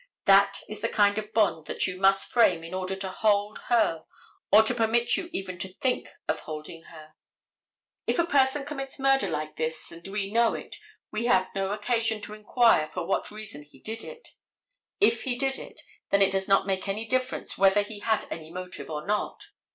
That is the kind of bond that you must frame in order to hold her or to permit you even to think of holding her. If a person commits a murder like this and we know it, we have no occasion to inquire for what reason he did it. If he did it then it does not make any difference whether he had any motive or not.